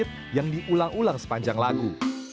lirik eksplisit yang diulang ulang sepanjang lagu